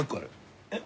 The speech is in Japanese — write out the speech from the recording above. えっ？